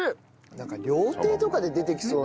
なんか料亭とかで出てきそうなさ。